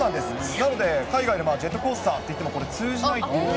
なので、海外ではジェットコースターと言っても通じない。